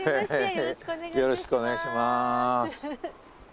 よろしくお願いします。